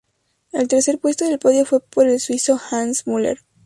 El tercer puesto del podio fue para el suizo Hans Müller.